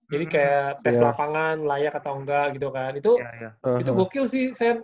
jadi kayak test lapangan layak atau enggak gitu kan itu gokil sih sen